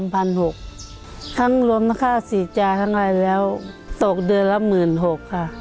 ทั้งรวมค่าศีรจาทั้งอะไรแล้วตกเดือนละหมื่นหกค่ะ